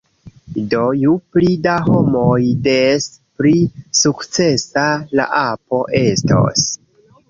Do, ju pli da homoj, des pli sukcesa la apo estos